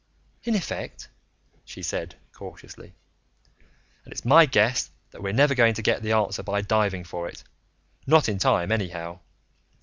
"In effect," she said cautiously. "And it's my guess that we're never going to get the answer by diving for it not in time, anyhow.